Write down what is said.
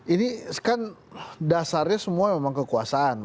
ini kan dasarnya semua memang kekuasaan